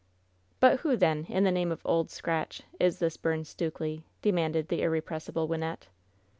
"But who then, in the name of Old Scratch, is this Byrne Stukely?" demanded the irrepressible Wynnette.